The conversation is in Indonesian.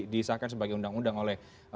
disahkan sebagai undang undang oleh